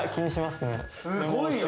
すごいよ。